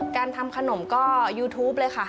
การทำขนมก็ยูทูปเลยค่ะ